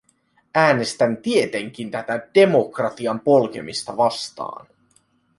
Äänestän tietenkin tätä demokratian polkemista vastaan.